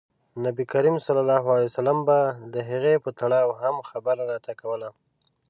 نبي کریم ص به د هغې په تړاو هم خبره راته کوله.